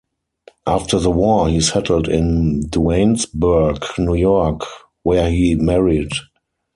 After the war he settled in Duanesburg, New York, where he married.